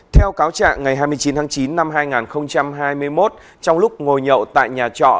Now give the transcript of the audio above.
theo cáo trạng ngày hai mươi chín tháng chín năm hai nghìn hai mươi một trong lúc ngồi nhậu tại nhà trọ